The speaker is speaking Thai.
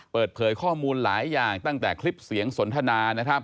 เปิดเผยข้อมูลหลายอย่างตั้งแต่คลิปเสียงสนทนานะครับ